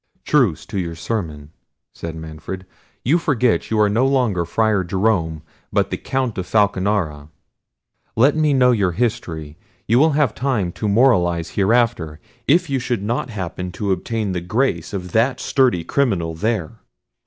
"Truce to your sermon," said Manfred; "you forget you are no longer Friar Jerome, but the Count of Falconara. Let me know your history; you will have time to moralise hereafter, if you should not happen to obtain the grace of that sturdy criminal there."